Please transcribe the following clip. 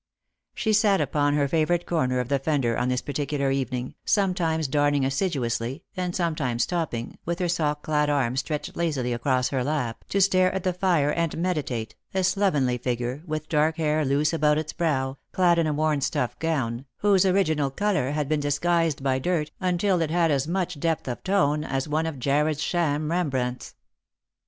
She sat upon her favourite corner of the fender on this par ticular evening, sometimes darning assiduously, and sometimes stopping, with her sock clad arm stretched lazily across her lap, to stare at the fire and meditate, a slovenly figure, with dark hair loose about its brow, clad in a worn stuff gown, whose original colour had been disguised by dirt until it had as much depth of tone of one of Jarred's sham Eembrandts.